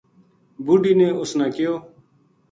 بُڈھی نے اس نا کہیو